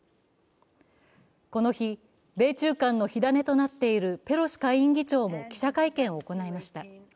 この日、米中間の火種となっているペロシ下院議長も記者会見を行いました。